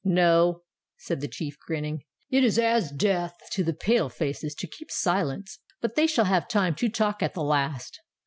"No," said the chief, grinning; "it is as death to the palefaces to keep silence. But they shall have time to talk at the last."